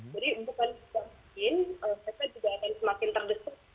jadi bukan saja ini mereka juga akan semakin terdorong